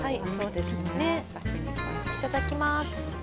いただきます。